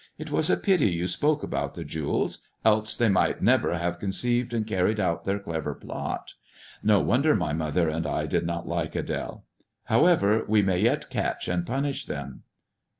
It was a pity you spoke about the jewels, else they might never have conceived and carried out their clever plot. No wonder my mother and I did not like Ad^le. However, we may yet catch and punish them."